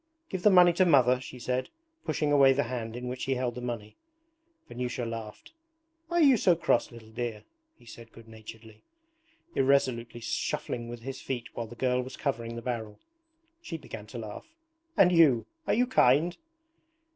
'Give the money to Mother,' she said, pushing away the hand in which he held the money. Vanyusha laughed. 'Why are you so cross, little dear?' he said good naturedly, irresolutely shuffling with his feet while the girl was covering the barrel. She began to laugh. 'And you! Are you kind?'